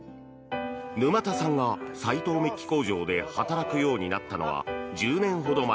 沼田さんが斎藤鍍金工場で働くようになったのは１０年ほど前。